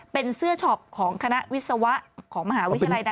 เป็นเสื้อช็อปของคณะวิศวะของมหาวิทยาลัย